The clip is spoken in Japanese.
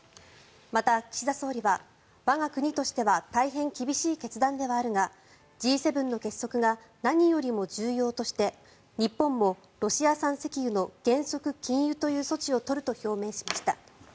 また、岸田総理は我が国としては大変厳しい決断ではあるがＧ７の結束が何よりも重要として日本もロシア産石油の原則禁輸という措置を取ると表明しました。